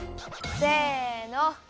せの。